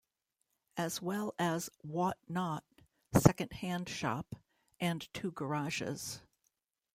As well as Wot Not second-hand shop, and two garages.